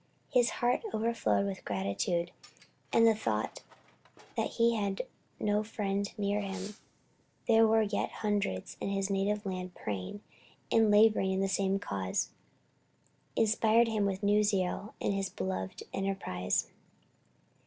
His heart overflowed with gratitude, and the thought that though he had no friend near him, there were yet hundreds in his native land praying and laboring in the same cause, inspired him with new zeal in his beloved enterprise.